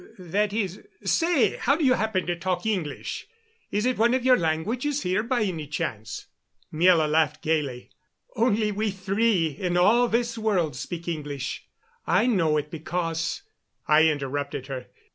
That is say, how do you happen to talk English? Is it one of your languages here, by any chance?" Miela laughed gayly. "Only we three, in all this world, speak English. I know it because " I interrupted her.